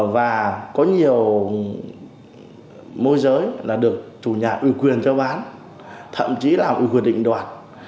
và có nhiều môi giới là được chủ nhà ưu quyền cho bán thậm chí là ưu quyền định đoạt